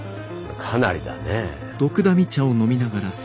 かなりだね。